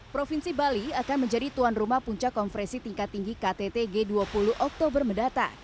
provinsi bali akan menjadi tuan rumah puncak konfresi tingkat tinggi ktt g dua puluh oktober mendatang